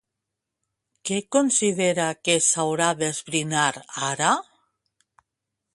Què considera que s'haurà d'esbrinar ara?